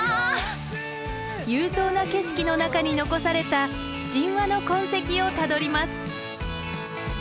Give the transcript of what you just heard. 勇壮な景色の中に残された神話の痕跡をたどります。